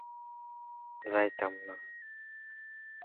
নব্বইয়ের দশক থেকে তিনি আবার নতুন বিক্রমে লিখে চলেছেন।